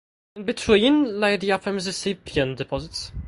In between laid the Upper Mississippian deposits.